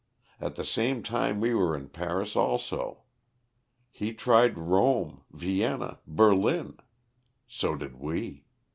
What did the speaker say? At the same time we were in Paris also. He tried Rome, Vienna, Berlin. So did we.